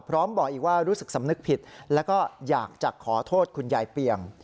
บอกอีกว่ารู้สึกสำนึกผิดแล้วก็อยากจะขอโทษคุณยายเปียง